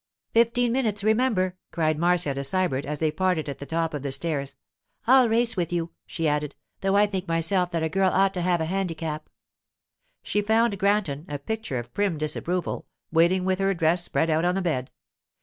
'Fifteen minutes, remember!' cried Marcia to Sybert as they parted at the top of the stairs. 'I'll race with you,' she added; 'though I think myself that a girl ought to have a handicap.' She found Granton, a picture of prim disapproval, waiting with her dress spread out on the bed.